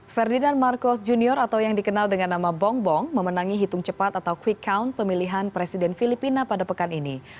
ferdinand marcos junior atau yang dikenal dengan nama bongbong memenangi hitung cepat atau quick count pemilihan presiden filipina pada pekan ini